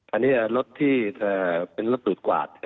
อันนี้รถที่เป็นรถดูดกวาด